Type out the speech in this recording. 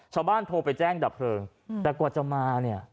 ชาวบ้านโทรไปแจ้งดับเพลิงแต่กว่าจะมาเนี่ย